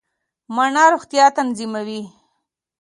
مڼه روغتیا تضمینوي